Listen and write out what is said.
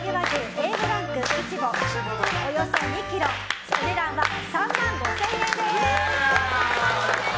Ａ５ランクイチボ、およそ２ｋｇお値段は３万５０００円です。